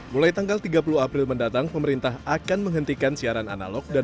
mulai tanggal tiga puluh april mendatang pemerintah akan menghentikan siaran analog dan